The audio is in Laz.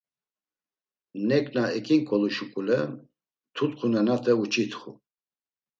Neǩna eǩinǩolu şuǩule tutxu nenate uç̌itxu.